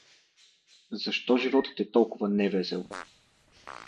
Защо животът е толкова невесел?